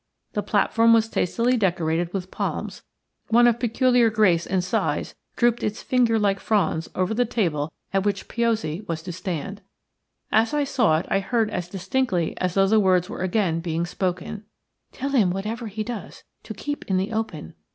The platform was tastefully decorated with palms; one of peculiar grace and size drooped its finger like fronds over the table at which Piozzi was to stand. As I saw it I heard as distinctly as though the words were again being spoken:– "Tell him whatever he does to keep in the open.